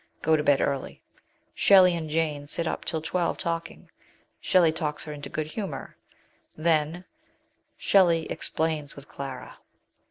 ... Go to bed early j Shelley and Jane sit up till twelve talking ; Shelley talks her into good humour." Then " Shelley explains with Clara."